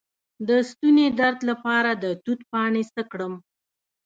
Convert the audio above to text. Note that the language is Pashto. د ستوني درد لپاره د توت پاڼې څه کړم؟